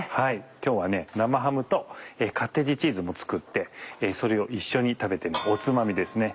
今日は生ハムとカッテージチーズも作ってそれを一緒に食べておつまみですね